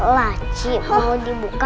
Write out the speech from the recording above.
laci mau dibuka